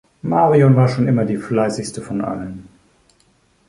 Marion war schon immer die "fleißigste" von allen.